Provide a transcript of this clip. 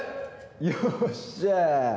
よっしゃー